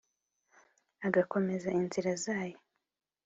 agakomeza inzira zayo.